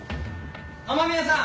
雨宮さん！